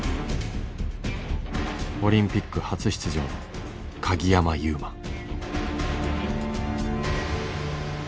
オリンピック初出場の鍵山優真。